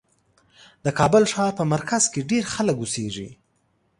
د کابل ښار په مرکز کې ډېر خلک اوسېږي.